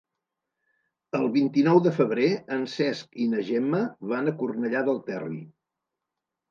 El vint-i-nou de febrer en Cesc i na Gemma van a Cornellà del Terri.